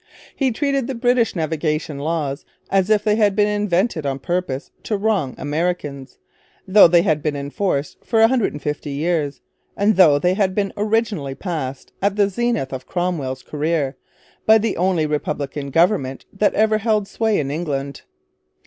He treated the British navigation laws as if they had been invented on purpose to wrong Americans, though they had been in force for a hundred and fifty years, and though they had been originally passed, at the zenith of Cromwell's career, by the only republican government that ever held sway in England.